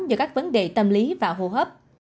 do các vấn đề tâm lý và hô hấp